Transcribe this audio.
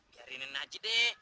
biarin aja deh